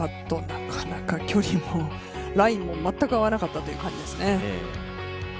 なかなか距離もラインも全く合わなかったという感じですね。